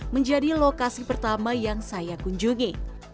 menjadi lokasi pertama yang saya kunjungi